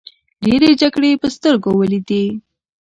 ډیرې جګړې په سترګو ولیدې.